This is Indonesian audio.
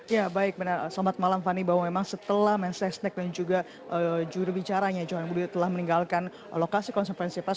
ya baik benar selamat malam fanny bahwa memang setelah man sasnek dan juga juri bicaranya johan budi telah meninggalkan lokasi konferensi prs